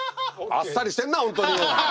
あっさりしてんな本当に。